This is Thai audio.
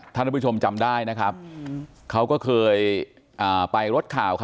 ท่านผู้ชมจำได้นะครับเขาก็เคยไปรถข่าว